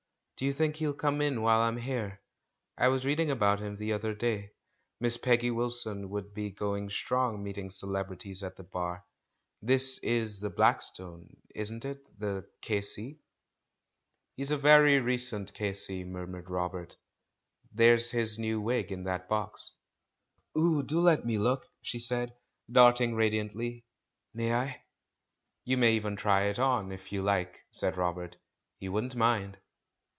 "Do you think he'll come in while I'm here? I was reading about him the other day — Miss Peggy Wilson would be going strong, meeting celebrities of the Bar. This is the Black stone, isn't it, the K.C.?" THE CALL FROM THE PAST 41T "He's a very recent K.C.," murmured Robert; "there's his new wig in that box." "Oh, do let me look!" she said, darting radiant ly. "May I?" "You may even try it on, if you like," said Robert; "he wouldn't mind."